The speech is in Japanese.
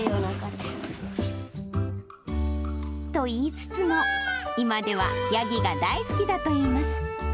と言いつつも、今ではヤギが大好きだといいます。